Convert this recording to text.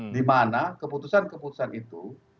dimana keputusan keputusan itu